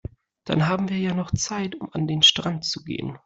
Dann haben wir ja noch Zeit, um an den Strand zu gehen.